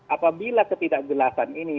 apabila ketidakjelasan ini